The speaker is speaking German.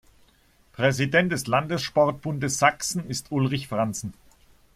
Präsident des Landessportbundes Sachsen ist Ulrich Franzen.